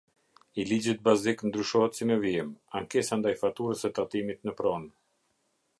I Ligjit bazik ndryshohet si në vijim: Ankesa ndaj faturës së tatimit në pronë.